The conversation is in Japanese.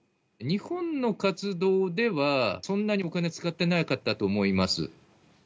日本の活動では、そんなにお金使ってなかったと思います。